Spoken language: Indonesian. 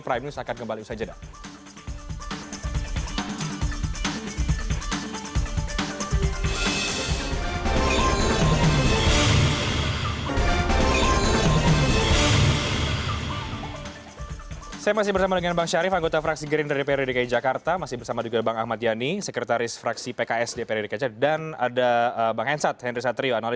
prime news akan kembali usai jeda